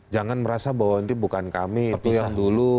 jangan merasa bahwa ini bukan kami itu yang dulu